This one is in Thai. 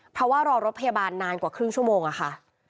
เพราะว่ารอรถพยาบาลนานกว่าครึ่งชั่วโมงอะค่ะ